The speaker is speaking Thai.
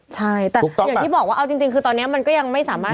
ใช่แต่อย่างที่บอกว่าเอาจริงคือตอนนี้มันก็ยังไม่สามารถ